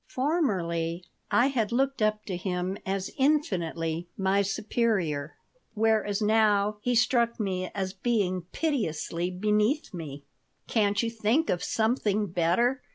Formerly I had looked up to him as infinitely my superior, whereas now he struck me as being piteously beneath me "Can't you think of something better?"